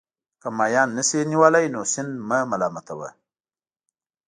که ماهیان نه شئ نیولای نو سیند مه ملامتوه.